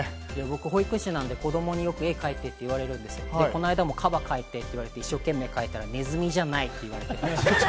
僕、保育士なんで、子どもによく絵を描いてって言われるんですけれども、この間もカバ描いてって言われて、一生懸命描いたんですけれども、ネズミじゃない？って言われて。